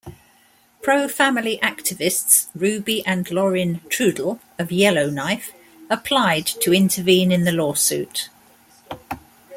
Pro-"family" activists Ruby and Laurin Trudel of Yellowknife applied to intervene in the lawsuit.